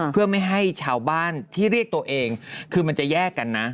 เพื่อไม่ให้ชาวบ้านที่เรียกตัวเองคือมันจะแยกกันนะ